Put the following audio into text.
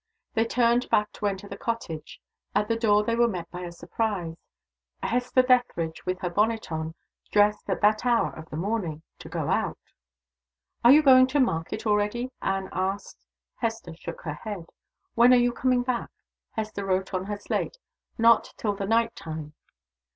They turned back to enter the cottage. At the door they were met by a surprise. Hester Dethridge, with her bonnet on dressed, at that hour of the morning, to go out! "Are you going to market already?" Anne asked. Hester shook her head. "When are you coming back?" Hester wrote on her slate: "Not till the night time."